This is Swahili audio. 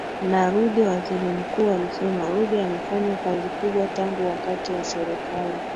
na Ruge Waziri Mkuu alisema Ruge amefanya kazi kubwa tangu wakati wa Serikali